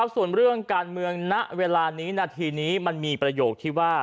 ส่วนเรื่องการเมืองณเวลานี้นาทีนี้มันมีประโยคที่ว่า